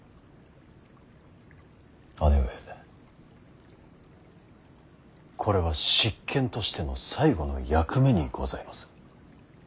姉上これは執権としての最後の役目にございます。